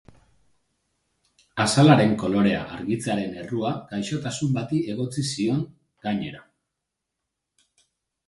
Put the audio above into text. Azalaren kolorea argitzearen errua gaixotasun bati egotzi zion, gainera.